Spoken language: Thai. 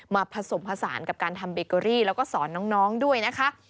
ผสมผสานกับการทำเบเกอรี่แล้วก็สอนน้องด้วยนะคะ